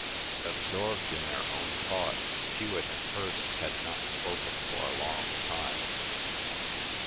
Absorbed in their own thoughts, Hewet and Hirst had not spoken for a long time.